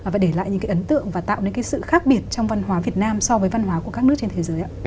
và để lại những cái ấn tượng và tạo nên cái sự khác biệt trong văn hóa việt nam so với văn hóa của các nước trên thế giới